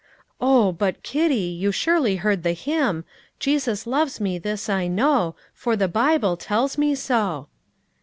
"Oh, but, Kitty, you surely heard the hymn, 'Jesus loves me, this I know, For the Bible tells me so.'"